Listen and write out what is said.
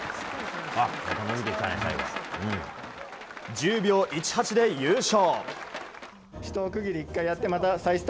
１０秒１８で優勝。